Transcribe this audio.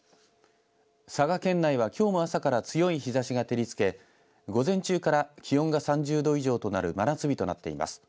佐賀県内はきょうも朝から強い日ざしが照りつけ午前中から気温が３０度以上となる真夏日となっています。